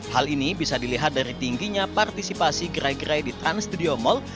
hal ini bisa dilihat dari tingginya partisipasi gerai gerai di trans studio mall